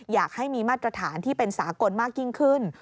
อยากให้มีมาตรฐานที่เป็นสากลมากยิ่งขึ้น